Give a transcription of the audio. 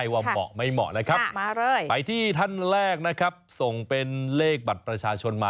คนแรกขึ้นมาเลยนะครับว่ามีหมายเลขอะไรบ้างนะครับ